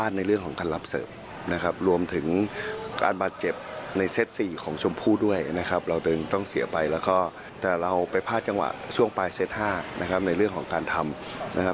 แต่เราไปพลาดจังหวะช่วงปลายเซต๕นะครับในเรื่องของการทำ